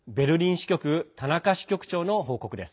支局田中支局長の報告です。